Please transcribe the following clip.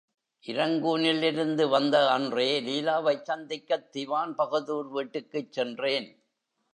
இரங்கூனிலிருந்து வந்த அன்றே லீலாவைச் சந்திக்கத் திவான்பகதூர் வீட்டுக்குச் சென்றேன்.